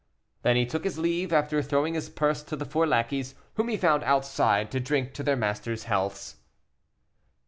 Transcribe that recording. Then he took his leave, after throwing his purse to the four lackeys, whom he found outside, to drink to their masters' healths.